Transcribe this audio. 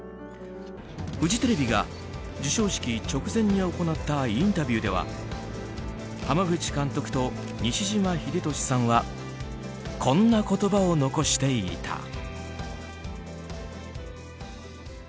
フジテレビが授賞式直前に行ったインタビューでは濱口監督と西島秀俊さんはこんな言葉を残していた。